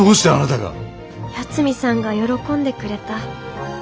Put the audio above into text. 八海さんが喜んでくれた。